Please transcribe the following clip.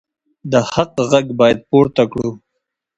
د حق غږ باید پورته کړو.